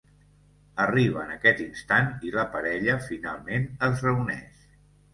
Arriba en aquest instant i la parella finalment es reuneix.